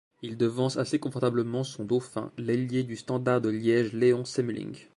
Il devance assez confortablement son dauphin, l'ailier du Standard de Liège Léon Semmeling.